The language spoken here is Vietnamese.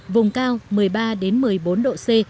vùng cao một mươi ba một mươi bốn độ c